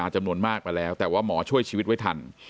จำนวนมากมาแล้วแต่ว่าหมอช่วยชีวิตไว้ทัน